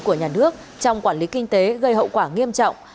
của nhà nước trong quản lý kinh tế gây hậu quả nghiêm trọng